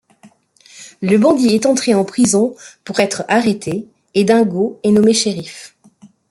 Le bandit est entré en prison pour être arrêté et Dingo est nommé shérif.